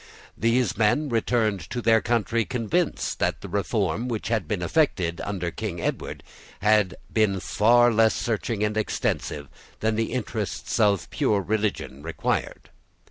These men returned to their country convinced that the reform which had been effected under King Edward had been far less searching and extensive than the interests of pure religion required.